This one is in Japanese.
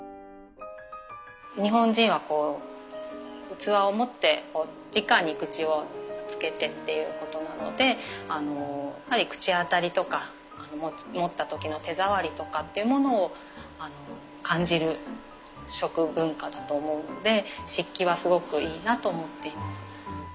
日本人はこう器を持ってじかに口をつけてっていうことなのでやっぱり口当たりとか持った時の手触りとかっていうものを感じる食文化だと思うので漆器はすごくいいなと思っています。